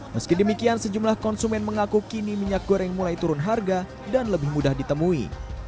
meski demikian sejumlah konsumen mengaku kini minyak goreng mulai turun harga dan lebih mudah ditemui